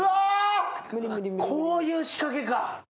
こういう仕掛けか！